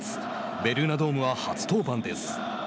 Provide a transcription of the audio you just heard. ベルーナドームは初登板です。